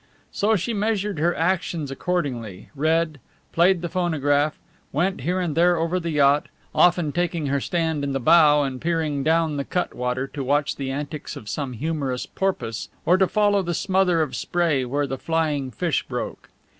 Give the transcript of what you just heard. So she measured her actions accordingly, read, played the phonograph, went here and there over the yacht, often taking her stand in the bow and peering down the cutwater to watch the antics of some humorous porpoise or to follow the smother of spray where the flying fish broke.